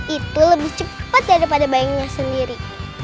itu lebih cepat daripada bayinya sendiri